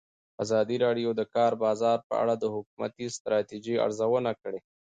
ازادي راډیو د د کار بازار په اړه د حکومتي ستراتیژۍ ارزونه کړې.